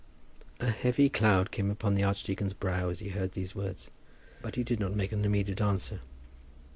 A heavy cloud came upon the archdeacon's brow as he heard these words, but he did not make any immediate answer.